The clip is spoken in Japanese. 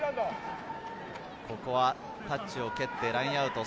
ここはタッチを蹴ってラインアウト。